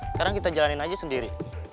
sekarang kita jalanin aja sendiri